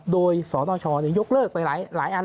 โดยศนชยกเลิกไปหลายอันแล้วนะ